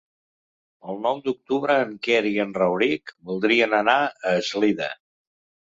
El nou d'octubre en Quer i en Rauric voldrien anar a Eslida.